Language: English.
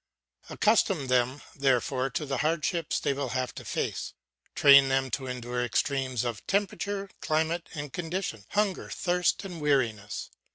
Accustom them therefore to the hardships they will have to face; train them to endure extremes of temperature, climate, and condition, hunger, thirst, and weariness.